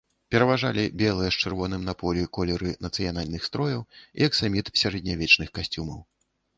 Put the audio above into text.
Пераважалі белыя з чырвоным на полі колеры нацыянальных строяў і аксаміт сярэднявечных касцюмаў.